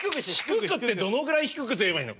低くってどのぐらい低くすればいいの？